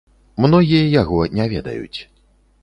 Многія яго не ведаюць.